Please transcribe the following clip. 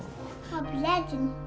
mau beli aja nih